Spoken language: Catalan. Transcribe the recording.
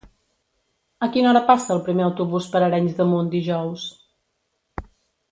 A quina hora passa el primer autobús per Arenys de Munt dijous?